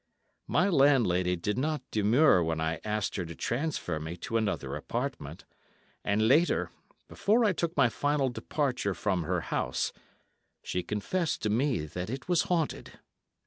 My landlady did not demur when I asked her to transfer me to another apartment, and later, before I took my final departure from her house, she confessed to me that it was haunted.